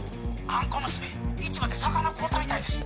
あの小娘市場で魚買うたみたいです。